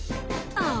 ああ。